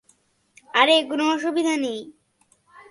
আরে কোনো অসুবিধা নেই!